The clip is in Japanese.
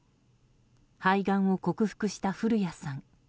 肺がんを克服した古谷さん。